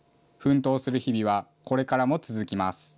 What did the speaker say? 奮闘する日々は、これからも続きます。